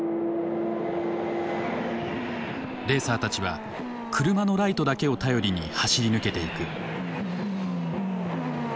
レーサーたちは車のライトだけを頼りに走り抜けていく。